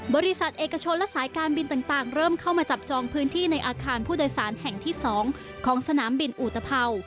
บริษัทเอกชนและสายการบินต่างเริ่มเข้ามาจับจองพื้นที่ในอาคารผู้โดยสารแห่งที่๒ของสนามบินอุตภัวร์